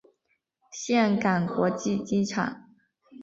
岘港国际机场。